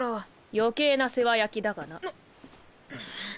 余計な世話焼きだがなんっ！